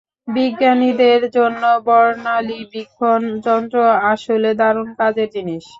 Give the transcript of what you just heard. বিজ্ঞানীদের জন্য বর্ণালিবীক্ষণ যন্ত্র আসলে দারুণ কাজের জিনিস।